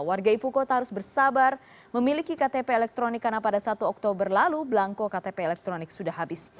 warga ibu kota harus bersabar memiliki ktp elektronik karena pada satu oktober lalu belangko ktp elektronik sudah habis